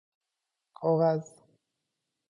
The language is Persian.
کاغذ